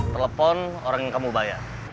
telepon orang yang kamu bayar